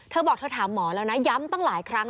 เธอบอกเธอถามหมอแล้วนะย้ำตั้งหลายครั้ง